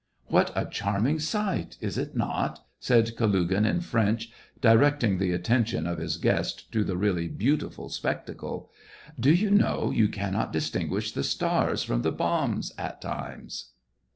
" What a charming sight 1 is it not }" said Kalugin, in French, directing the attention of his guest to the really beautiful spectacle. Do you SEVASTOPOL IN MAY. 65 know, you cannot distinguish the stars from the bombs at times."